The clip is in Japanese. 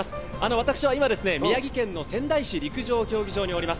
私は今、宮城県仙台市陸上競技場におります。